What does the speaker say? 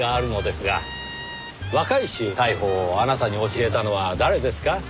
若い衆逮捕をあなたに教えたのは誰ですか？